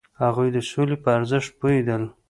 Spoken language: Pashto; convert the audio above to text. هغوی د سولې په ارزښت پوهیدل.